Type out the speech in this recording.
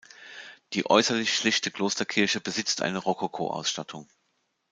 Die äußerlich schlichte Klosterkirche besitzt eine Rokokoausstattung.